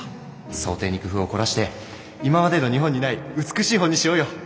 装丁に工夫を凝らして今までの日本にない美しい本にしようよ。